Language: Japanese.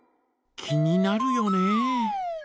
気になるよね。